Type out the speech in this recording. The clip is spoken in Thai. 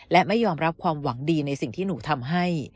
และไม่ยอมรับความหวังดีในสิ่งที่หนูทำให้